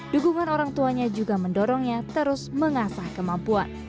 dukungan orang tuanya juga mendorongnya terus mengasah kemampuan